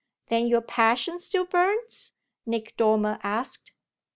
"Then your passion still burns?" Nick Dormer asked.